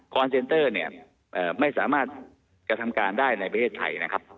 เซนเตอร์เนี่ยไม่สามารถกระทำการได้ในประเทศไทยนะครับ